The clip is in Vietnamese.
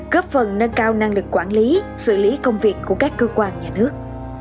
góp phần nâng cao năng lực quản lý xử lý công việc của các cơ quan nhà nước